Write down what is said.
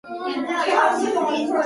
This became known as the Bar-Lev Line.